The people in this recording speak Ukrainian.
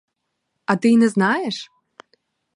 А ти й не знаєш?